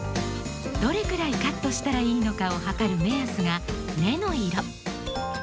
どれくらいカットしたらいいのかをはかる目安が根の色。